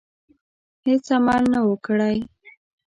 هیڅ عمل نه وو کړی.